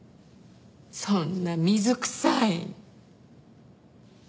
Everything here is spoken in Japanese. そんな水くさい。